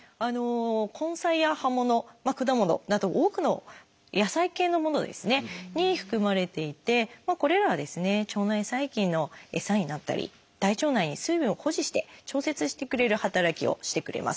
根菜や葉もの果物など多くの野菜系のものに含まれていてこれらは腸内細菌のエサになったり大腸内に水分を保持して調節してくれる働きをしてくれます。